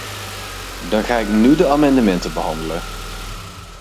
Dan ga ik nu de amendementen behandelen.